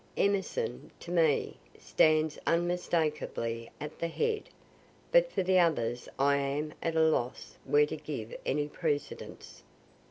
Emerson, to me, stands unmistakably at the head, but for the others I am at a loss where to give any precedence.